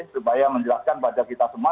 supaya menjelaskan pada kita semua